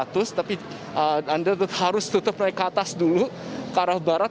tapi anda harus tutup naik ke atas dulu ke arah barat